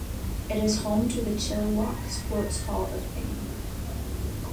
It is home to the Chilliwack Sports Hall of Fame.